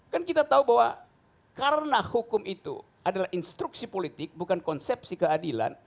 kan kita tahu bahwa karena hukum itu adalah instruksi politik bukan konsepsi keadilan